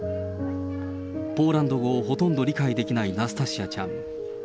ポーランド語をほとんど理解できないナスタシアちゃん。